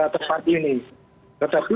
tempat ini tetapi